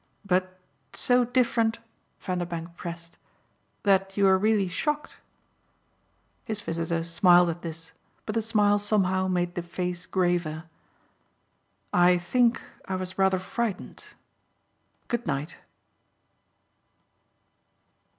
But so different," Vanderbank pressed, "that you were really shocked?" His visitor smiled at this, but the smile somehow made the face graver. "I think I was rather frightened. Good night."